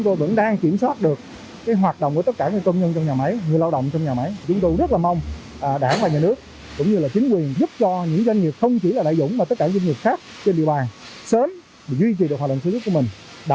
sớm để duy trì được hoạt động sử dụng của mình đảm bảo hoạt động sử dụng kinh doanh